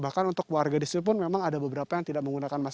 bahkan untuk warga di sini pun memang ada beberapa yang tidak menggunakan masker